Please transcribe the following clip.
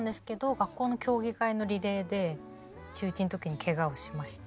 学校の競技会のリレーで中１の時にけがをしまして。